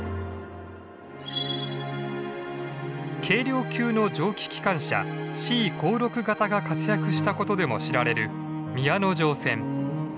軽量級の蒸気機関車Ｃ５６形が活躍したことでも知られる宮之城線。